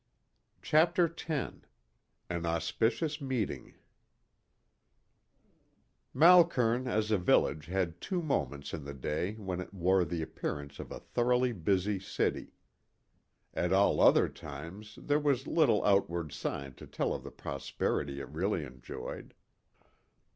CHAPTER X AN AUSPICIOUS MEETING Malkern as a village had two moments in the day when it wore the appearance of a thoroughly busy city. At all other times there was little outward sign to tell of the prosperity it really enjoyed.